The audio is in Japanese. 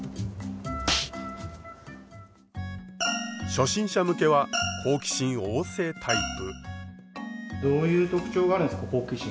初心者向けは好奇心旺盛タイプ。